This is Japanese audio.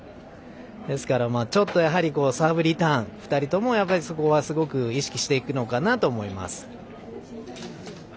ですから、やはりサーブリターンを２人ともすごく意識していくのかなと思います。